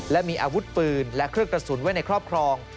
และมีอาวุธปืนและเครื่องกระสุนไว้ในครอบครอง